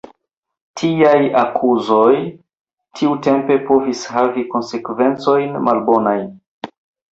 Tiaj akuzoj tiutempe povis havi konsekvencojn malbonajn.